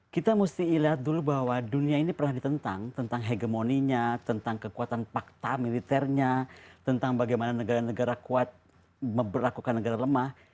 kita mesti lihat dulu bahwa dunia ini pernah ditentang tentang hegemoninya tentang kekuatan fakta militernya tentang bagaimana negara negara kuat memperlakukan negara lemah